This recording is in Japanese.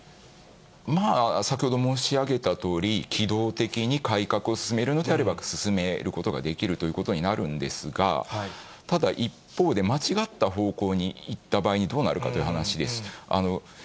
まあ先ほど申しあげたとおり、機動的に改革を進めるのであれば、進めることができるということになるんですが、ただ、一方で間違った方向に行った場合にどうなるかという話です。